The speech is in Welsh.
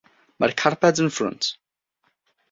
Mae'r carped yn frwnt.